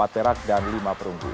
empat perak dan lima perunggu